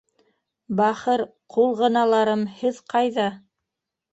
Бахыр ҡул ғыналарым, һеҙ ҡайҙа?